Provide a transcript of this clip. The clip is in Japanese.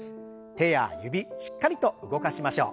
手や指しっかりと動かしましょう。